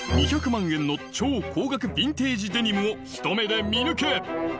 ２００万円の超高額ヴィンテージデニムをひと目で見抜け！